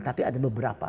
tapi ada beberapa